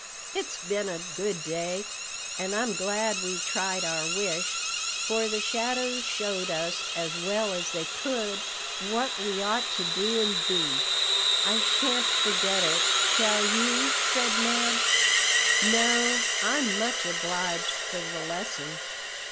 "It's been a good day, and I'm glad we tried our wish; for the shadows showed us, as well as they could, what we ought to do and be. I shan't forget it, shall you?" said Ned. "No: I'm much obliged for the lesson."